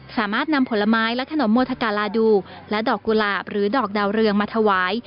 สามารถนำผลไม้และขนมโมทกาลาดูและดอกกุหลาบหรือดอกดาวเรืองมาถวาย